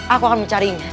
aku akan mencarinya